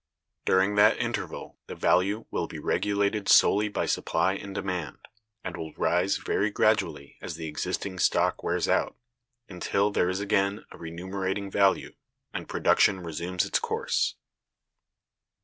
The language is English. During that interval the value will be regulated solely by supply and demand, and will rise very gradually as the existing stock wears out, until there is again a remunerating value, and production resumes its course.